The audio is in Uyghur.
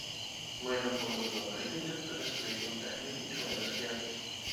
مايلىق بولمىسىلا گۆشتىن جىق پەرھىز قىلىشنىڭ ئەھمىيىتى چوڭ ئەمەسكەن.